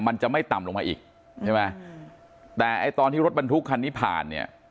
มันจะไม่ต่ำลงมาอีกใช่ไหมแต่ไอ้ตอนที่รถบรรทุกคันนี้ผ่านเนี่ย